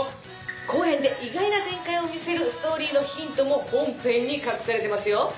⁉後編で意外な展開を見せるストーリーのヒントも本編に隠されてますよ。